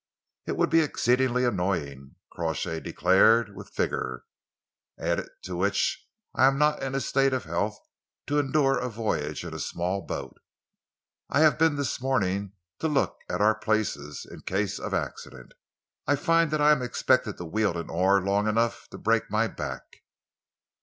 "It would be exceedingly annoying," Crawshay declared, with vigour, "added to which I am not in a state of health to endure a voyage in a small boat. I have been this morning to look at our places, in case of accident. I find that I am expected to wield an oar long enough to break my back."